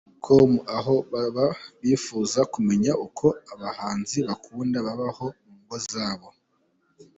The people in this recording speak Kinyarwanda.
com, aho baba bifuza kumenya uko abahanzi bakunda babaho mu ngo zabo.